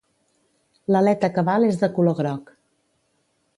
L'aleta cabal és de color groc.